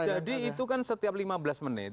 jadi itu kan setiap lima belas menit